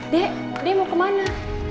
dek dek mau kemana